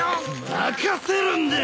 任せるんだ！